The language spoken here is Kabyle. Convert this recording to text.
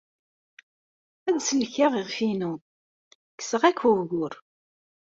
Ad sellkeɣ iɣef-inu. Kkseɣ-ak ugur.